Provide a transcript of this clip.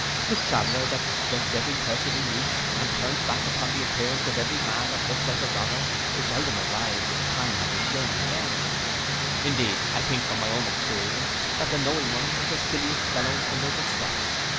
The traveller that distrusts every person he meets, and turns back upon the appearance of every man that looks like a robber, seldom arrives in time at his journey's end. 'Indeed I think from my own experience, that the knowing one is the silliest fellow under the sun.